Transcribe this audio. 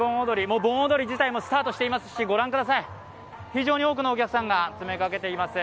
もう盆踊り自体もスタートしていますし、ご覧ください、非常に多くのお客さんが詰めかけています。